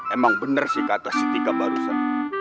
emang bener sih kata si tika barusan